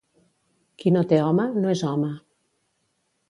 Qui no té home, no és home.